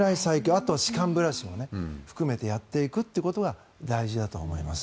あと、歯間ブラシも含めてやっていくことが大事だと思います。